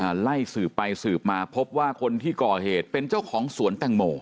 ไล่สืบไปสืบมาพบว่าคนที่ก่อเหตุเป็นเจ้าของสวนแตงโม